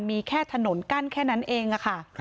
มีแค่ถนนกั้นแค่นั้นเองค่ะ